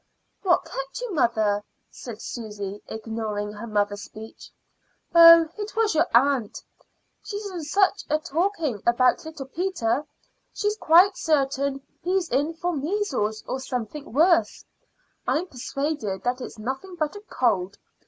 "What kept you, mother?" said Susy, ignoring her mother's speech. "Oh, it was your aunt. She's in such a taking about little Peter; she's quite certain he's in for measles or something worse. I'm persuaded that it's nothing but a cold.